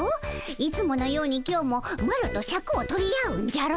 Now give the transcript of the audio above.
いつものように今日もマロとシャクを取り合うんじゃろ？